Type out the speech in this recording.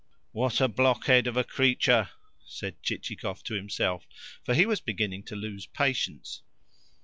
"What a blockhead of a creature!" said Chichikov to himself, for he was beginning to lose patience.